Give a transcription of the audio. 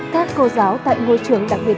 các cô giáo tại ngôi trường đặc biệt là